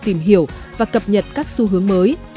tìm hiểu và cập nhật các xu hướng mới